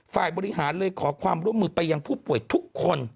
ฝ่ายบริหารเลยขอความร่วมมือไปยังผู้ป่วยทุกคน